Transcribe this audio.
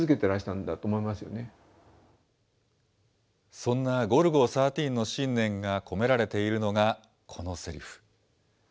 そんなゴルゴ１３の信念が込められているのが、このせりふ。